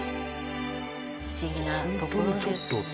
不思議なところですね